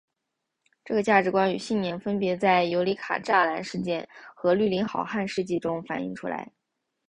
这个价值观与信念分别在尤里卡栅栏事件和绿林好汉的事迹中反映出来。